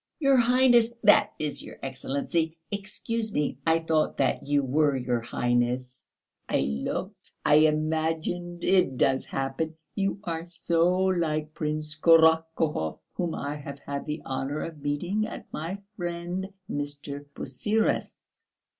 "Your Highness, that is, your Excellency.... Excuse me, I thought that you were your Highness. I looked ... I imagined ... it does happen. You are so like Prince Korotkouhov whom I have had the honour of meeting at my friend Mr. Pusyrev's....